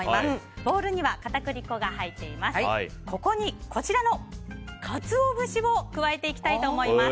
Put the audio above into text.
ボウルには片栗粉が入っています。